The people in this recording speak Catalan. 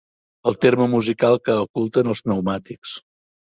El terme musical que oculten els pneumàtics.